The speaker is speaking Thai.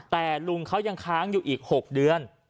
แต่ลุงเขายังค้างอยู่อีก๖เดือน